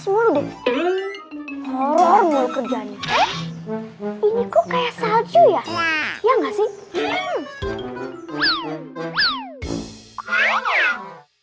ini kok kayak salju ya ya enggak sih